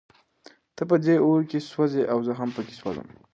ته په دې اور کې سوزې او زه هم پکې سوزم.